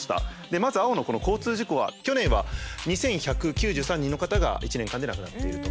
まず青の交通事故は去年は２，１９３人の方が１年間で亡くなっていると。